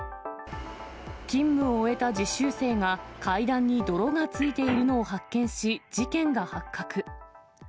勤務を終えた実習生が、階段に泥が付いているのを発見し、事件が発覚。